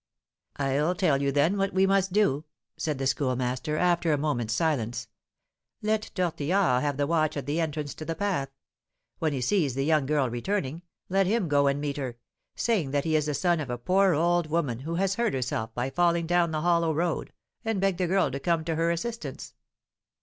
"I'll tell you, then, what we must do," said the Schoolmaster, after a moment's silence. "Let Tortillard have the watch at the entrance to the path. When he sees the young girl returning, let him go and meet her, saying that he is the son of a poor old woman who has hurt herself by falling down the hollow road, and beg the girl to come to her assistance."